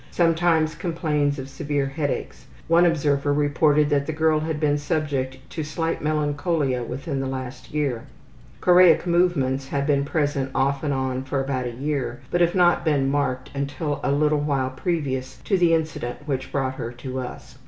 Sometimes complains of severe headaches. One observer reported that the girl had been subject to slight melancholia within the last year. Choreic movements have been present off and on for about a year, but have not been marked until a little while previous to the incident which brought her to us.